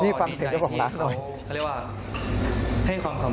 นี่ฟังเสียงเจ้าของร้านค่ะ